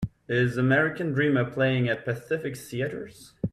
Is American Dreamer playing at Pacific Theatres